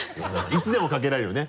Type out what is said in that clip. いつでもかけられるよね？